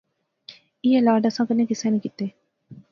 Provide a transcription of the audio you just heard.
ایہہ لاڈ اساں کنے کسا نی کتے